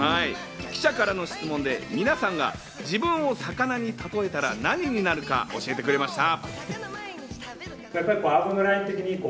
記者からの質問で皆さんが自分を魚にたとえたら何になるか教えてくれました。